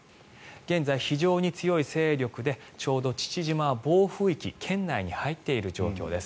現在非常に強い勢力でちょうど父島は暴風域圏内に入っている状況です。